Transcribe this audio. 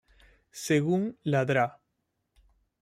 Según la Dra.